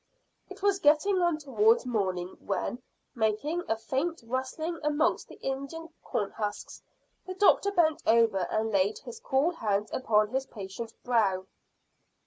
It was getting on towards morning when, making a faint rustling amongst the Indian corn husks, the doctor bent over and laid his cool hand upon his patient's brow.